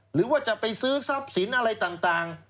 หรือว่าจะไปซื้อทรัพย์สินอะไรต่าง